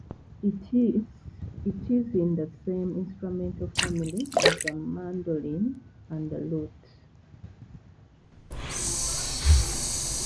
It is in the same instrumental family as the mandolin and the lute.